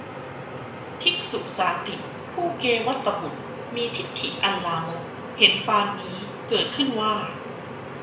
ภิกษุสาติ ผู้เกวัฏฏบุตร มีทิฏฐิอันลามกเห็นปานนี้เกิดขึ้นว่า